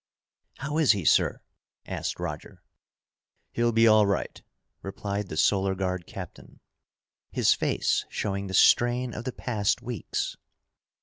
"How is he, sir?" asked Roger. "He'll be all right," replied the Solar Guard captain, his face showing the strain of the past weeks.